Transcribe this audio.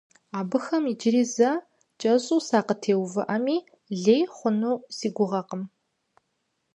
Абыхэм иджыри зэ кӀэщӀу сакъытеувыӀэми лей хъуну си гугъэкъым.